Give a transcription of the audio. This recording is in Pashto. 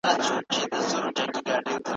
تاريخ د مسلمانانو په عدل ګواه دی.